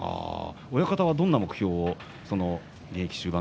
親方はどんな目標を？